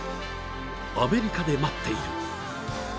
アメリカで待ってるよ！！